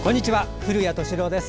古谷敏郎です。